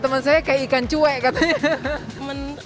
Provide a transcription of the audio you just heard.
teman saya kayak ikan cuek katanya